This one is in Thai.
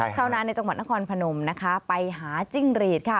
ชาวนานในจังหวัดนครพนมนะคะไปหาจิ้งหรีดค่ะ